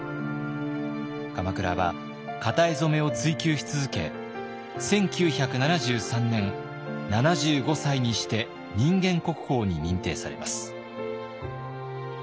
鎌倉は型絵染を追究し続け１９７３年７５歳にして人間国宝に認定されます。